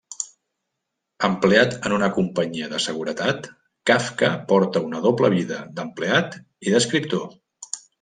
Empleat en una companyia de seguretat, Kafka porta una doble vida d'empleat i d'escriptor.